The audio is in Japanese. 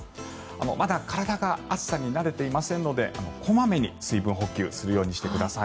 まだ体が暑さに慣れていませんので小まめに水分補給をするようにしてください。